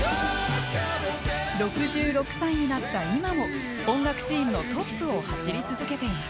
６６歳になった今も音楽シーンのトップを走り続けています。